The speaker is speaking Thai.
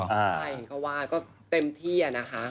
ใช่เขาว่าก็เต็มที่อะนะคะ